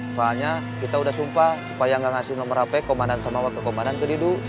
soalnya kita udah sumpah supaya gak ngasih nomor hp komandan sama wakil komandan ke didu